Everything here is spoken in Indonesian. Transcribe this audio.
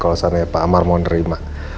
kalau seandainya pak amar mau nerima